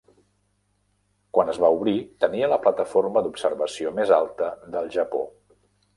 Quan es va obrir, tenia la plataforma d'observació més alta del Japó.